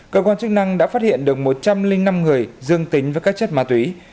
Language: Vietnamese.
cơ quan chức năng đã phát hiện được một trăm linh năm người dương tính với các chất ma túy